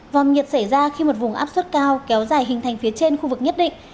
vòng nhiệt xảy ra khi một vùng áp suất cao kéo dài hình thành phía trên khu vực nhất định